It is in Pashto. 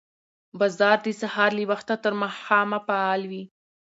بازار د سهار له وخته تر ماښامه فعال وي